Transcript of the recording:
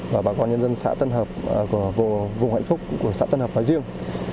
và bà con nhân dân sã tân hập của vùng hạnh phúc của sã tân hập nói riêng